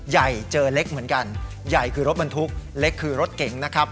ใหญ่เจอเล็กเหมือนกันใหญ่คือรถบรรทุกเล็กคือรถเก๋งนะครับ